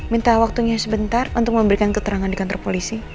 minta waktunya sebentar untuk memberikan keterangan di kantor polisi